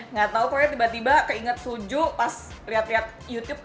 nggak tau tiba tiba keinget suju pas liat liat youtube